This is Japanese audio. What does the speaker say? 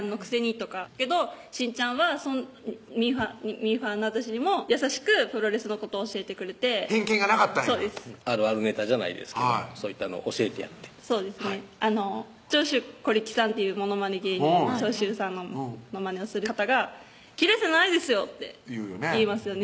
けどしんちゃんはミーハーな私にも優しくプロレスのこと教えてくれて偏見がなかったんやあるあるネタじゃないですけどそういったのを教えてやって長州小力さんっていうものまね芸人長州さんのまねをする方が「キレてないですよ」って言いますよね